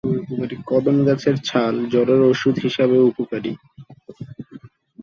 কদম গাছের ছাল জ্বরের ঔষধ হিসেবেও উপকারী।